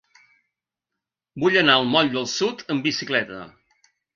Vull anar al moll del Sud amb bicicleta.